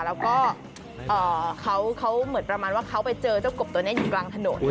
แล้วก็เขาเหมือนประมาณว่าเขาไปเจอเจ้ากบตัวนี้อยู่กลางถนน